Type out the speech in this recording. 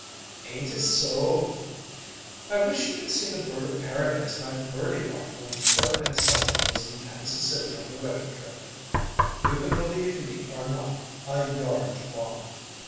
"Ain't it so!" "I wish you could see the bird of paradise my Birdie bought when her and Simon was in Kansas City on their wedding trip you can believe me or not, a yard long!